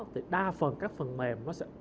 thì đa phần các phần mềm nó sẽ